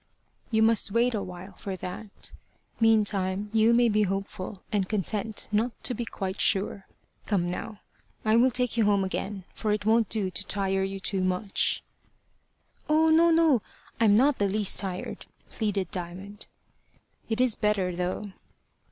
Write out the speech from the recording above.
"You must wait a while for that. Meantime you may be hopeful, and content not to be quite sure. Come now, I will take you home again, for it won't do to tire you too much." "Oh, no, no. I'm not the least tired," pleaded Diamond. "It is better, though."